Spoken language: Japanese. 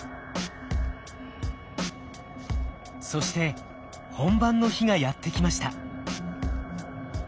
そして本番の日がやってきました。